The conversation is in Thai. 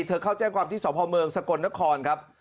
เธอเข้าแจ้งกลับที่สรภาพเมืองสกลนครครับ